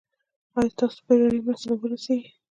ایا ستاسو بیړنۍ مرسته به ورسیږي؟